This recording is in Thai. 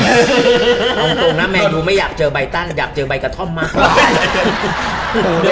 เอาตรงนะแมวดูไม่อยากเจอใบตั้นอยากเจอใบกระท่อมมากกว่า